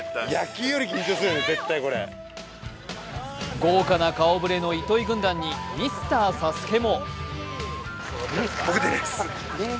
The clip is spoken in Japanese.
豪華な顔ぶれの糸井軍団にミスターＳＡＳＵＫＥも。